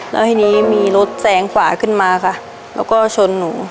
แล้วทีนี้มีรถแสงขวาขึ้นมาค่ะแล้วก็ชนหนู